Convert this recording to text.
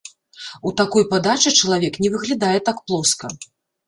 У такой падачы чалавек не выглядае так плоска.